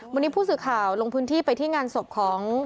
วันนี้ผู้สื่อข่าวลงพื้นที่ไปที่งานศพของ